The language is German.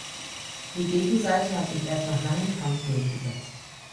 Die Gegenseite hat sich erst nach langem Kampf durchgesetzt.